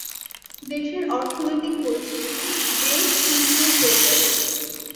দেশের অর্থনৈতিক পরিস্থিতি বেশ সীমিত হয়ে পড়ে।